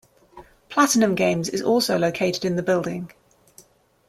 PlatinumGames is also located in the building.